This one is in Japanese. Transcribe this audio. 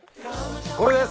これです。